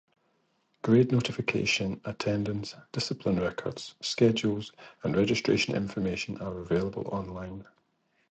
Grade notification, attendance, discipline records, schedules, and registration information are available online.